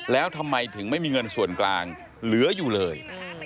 แล้วทำไมถึงไม่มีเงินส่วนกลางเหลืออยู่เลย